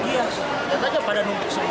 iya itu aja pada nunggu semua